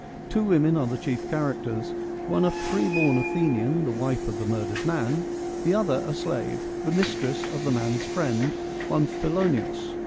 Two women are the chief characters : one a free born Athenian, the wife of the murdered man ; the other a slave, the mistress of the man's friend, one Philo neos.